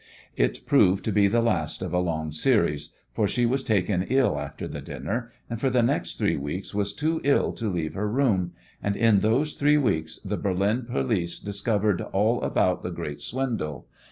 It proved to be the last of a long series, for she was taken ill after the dinner, and for the next three weeks was too ill to leave her room, and in those three weeks the Berlin police discovered all about the great swindle.